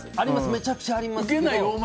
めちゃくちゃありますけど。